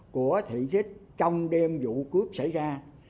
của thị trích trong đêm vụ cướp xảy ra